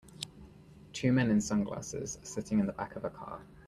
Two men in sunglasses are sitting in the back of a car.